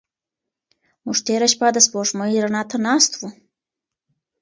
موږ تېره شپه د سپوږمۍ رڼا ته ناست وو.